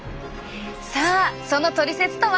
さあそのトリセツとは。